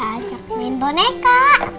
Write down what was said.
aku bisa ajak main boneka